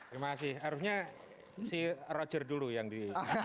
terima kasih harusnya si roger dulu yang di